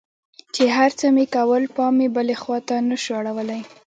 چې هرڅه مې کول پام مې بلې خوا ته نه سو اړولى.